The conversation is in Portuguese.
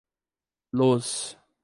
Luz